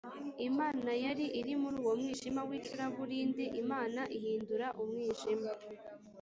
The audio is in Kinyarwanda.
imana yari iri muri uwo mwijima w’icuraburindi imana ihindura umwijima